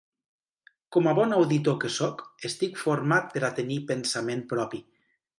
Com a bon auditor que sóc, estic format per a tenir pensament propi.